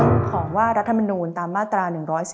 เรื่องของว่ารัฐมนุนตามมาตรา๑๔๔